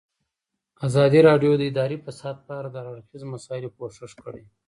ازادي راډیو د اداري فساد په اړه د هر اړخیزو مسایلو پوښښ کړی.